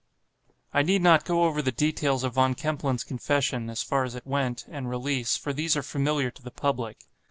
I need not go over the details of Von Kempelen's confession (as far as it went) and release, for these are familiar to the public.